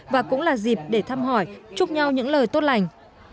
và cũng là dịp để thăm hỏi chúc nhau những lời tốt lành